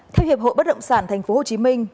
theo hiệp hội bất động sản tp hcm